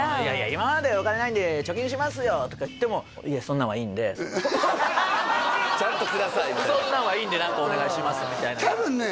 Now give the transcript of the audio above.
今までお金ないんで貯金しますよとか言ってもちゃんとくださいみたいなそんなんはいいんで何かお願いしますみたいな多分ね